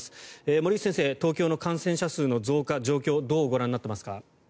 森内先生、東京の感染者数の増加状況をどうご覧になっていますか？